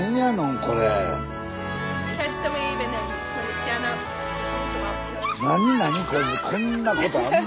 これこんなことあんの？